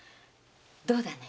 どうだね？